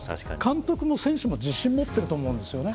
監督も選手も自信を持ってると思うんですね。